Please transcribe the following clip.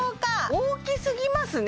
大きすぎますね